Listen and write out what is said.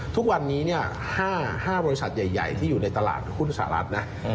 ทุกวันนี้๕บริษัทใหญ่ที่อยู่ในตลาดหุ้นสหรัฐนะ